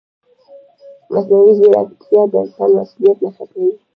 مصنوعي ځیرکتیا د انسان مسؤلیت نه ختموي.